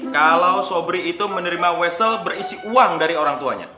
kalau sobri itu menerima wesel berisi uang dari orang tuanya